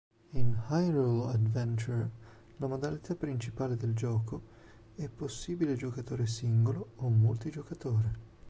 In "Hyrule Adventure", la modalità principale del gioco, è possibile giocatore singolo o multigiocatore.